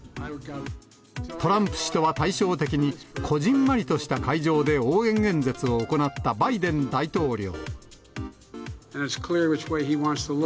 トランプ氏とは対照的に、こぢんまりとした会場で応援演説を行ったバイデン大統領。